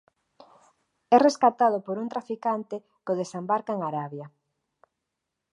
É rescatado por un traficante que o desembarca en Arabia.